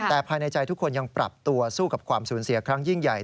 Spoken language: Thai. แต่ภายในใจทุกคนยังปรับตัวสู้กับความสูญเสียครั้งยิ่งใหญ่